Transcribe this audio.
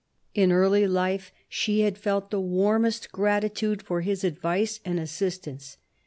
In early life she had felt the warmest gratitude for his advice and assistance.